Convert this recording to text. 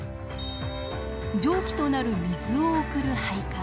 蒸気となる水を送る配管。